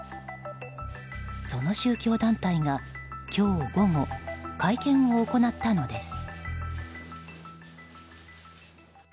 その宗教団体が今日午後会見を行ったのです。